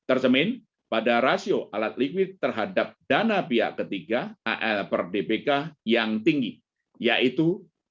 terjamin pada rasio alat liquid terhadap dana pihak ketiga al per dbk yang tinggi yaitu tiga puluh dua enam